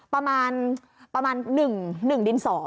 ประมาณ๑ดิน๒